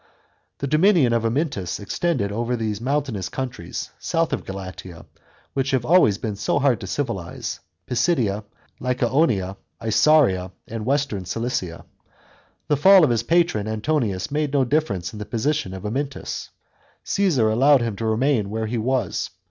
The dominion of Amyntas extended over those mountainous countries, south of Galatia, which have always been so hard to civilise — Pisidia, Lycaonia, Isauria and western Cilicia. The fall of his patron Antonius made no difference in the position of Amyntas; Caesar allowed him to remain where he was.